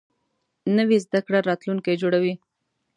نوې زده کړه راتلونکی جوړوي